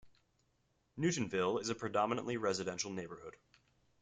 Newtonville is a predominantly residential neighborhood.